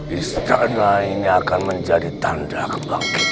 istana ini akan menjadi tanda kebangkitan